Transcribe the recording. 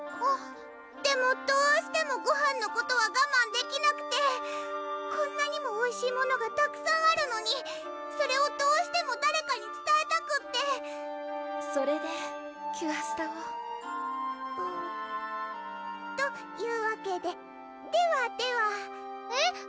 でもどうしてもごはんのことは我慢できなくてこんなにもおいしいものがたくさんあるのにそれをどうしても誰かにつたえたくってそれでキュアスタをうんというわけでではではえっ？